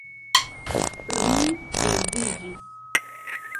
Ri perdiĝis.